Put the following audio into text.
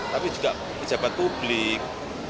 tapi juga pejabat publik